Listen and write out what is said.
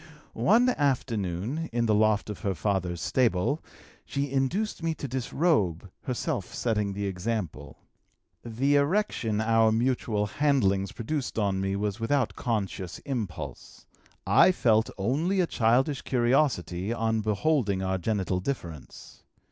One afternoon, in the loft of her father's stable, she induced me to disrobe, herself setting the example. The erection our mutual handlings produced on me was without conscious impulse; I felt only a childish curiosity on beholding our genital difference.